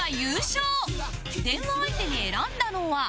電話相手に選んだのは